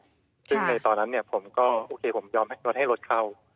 ซึ่งในตอนนั้นเนี่ยผมก็โอเคผมยอมให้รถให้รถเข้า